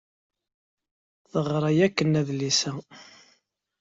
Teɣra yakan adlis-a.